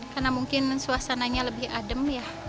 karena mungkin suasananya lebih adem